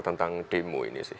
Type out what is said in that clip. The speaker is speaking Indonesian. tentang demo ini sih